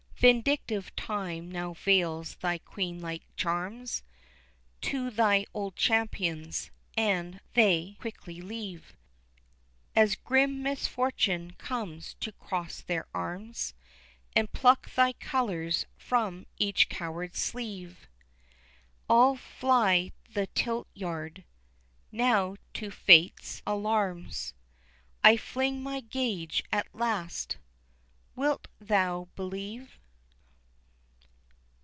Vindictive time now veils thy queen like charms To thy old champions, and they quickly leave, As grim misfortune comes to cross their arms And pluck thy colours from each coward sleeve, All fly the tilt yard. Now to Fate's alarms I fling my gage at last. Wilt thou believe?